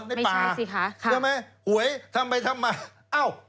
ไม่ใช่สิคะค่ะใช่ไหมหวยทำไปทำมาอ้าว